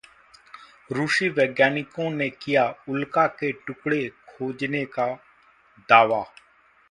रूसी वैज्ञानिकों ने किया उल्का के टुकड़े खोजने का दावा